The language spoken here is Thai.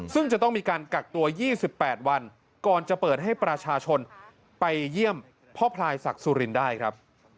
ซึ่งจะต้องมีการกักตัว๒๘วันก่อนจะเปิดให้ประชาชนไปเยี่ยมพ่อพลายศักดิ์สุรินได้ครับ